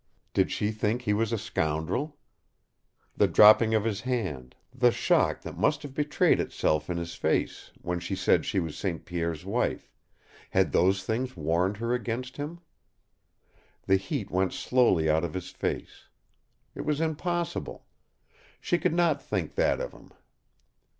Did she think he was a scoundrel? The dropping of his hand, the shock that must have betrayed itself in his face when she said she was St. Pierre's wife had those things warned her against him? The heat went slowly out of his face. It was impossible. She could not think that of him.